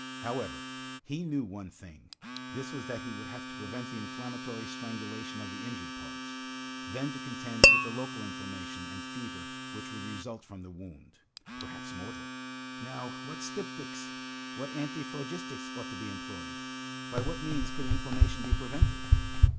However, he knew one thing, this was that he would have to prevent the inflammatory strangulation of the injured parts, then to contend with the local inflammation and fever which would result from the wound, perhaps mortal! Now, what styptics, what antiphlogistics ought to be employed? By what means could inflammation be prevented?